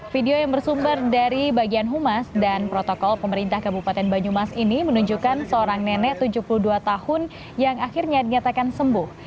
video yang bersumber dari bagian humas dan protokol pemerintah kabupaten banyumas ini menunjukkan seorang nenek tujuh puluh dua tahun yang akhirnya dinyatakan sembuh